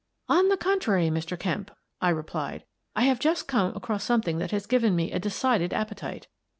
"On the contrary, Mr. Kemp/' I replied, "I have just come across something that has given me a decided appetite."